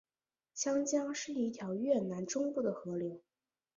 香江是一条越南中部的河流。